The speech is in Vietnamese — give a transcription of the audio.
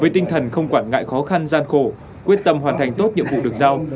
với tinh thần không quản ngại khó khăn gian khổ quyết tâm hoàn thành tốt nhiệm vụ được giao